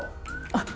あっ！